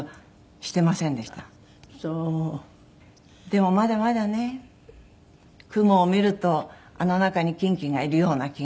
でもまだまだね雲を見るとあの中にキンキンがいるような気がしたり。